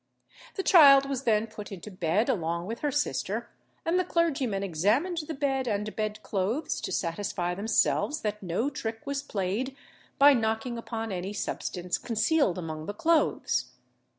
The child was then put into bed along with her sister, and the clergymen examined the bed and bed clothes to satisfy themselves that no trick was played, by knocking upon any substance concealed among the clothes.